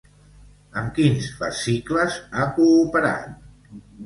Amb quins fascicles ha cooperat?